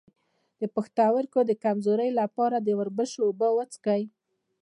د پښتورګو د کمزوری لپاره د وربشو اوبه وڅښئ